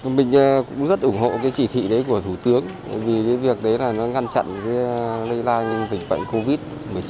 mình cũng rất ủng hộ cái chỉ thị đấy của thủ tướng vì cái việc đấy là nó ngăn chặn cái lây lan dịch bệnh covid một mươi chín